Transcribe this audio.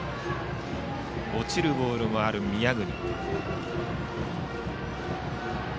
落ちるボールもある宮國。